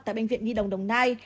tại bệnh viện nhi đồng đồng nai